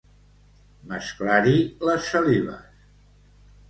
Mesclar-hi les salives.